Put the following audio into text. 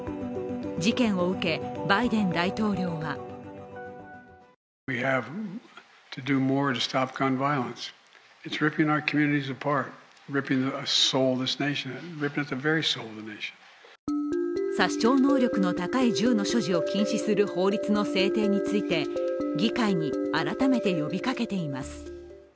事件を受け、バイデン大統領は殺傷能力の高い銃の所持を禁止する法律の制定について議会に改めて呼びかけています。